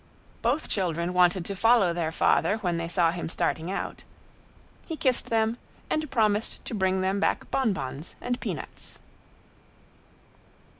Both children wanted to follow their father when they saw him starting out. He kissed them and promised to bring them back bonbons and peanuts.